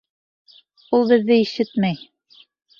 Ул беҙҙе ишетмәй!